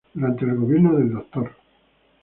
Durante el gobierno del Dr.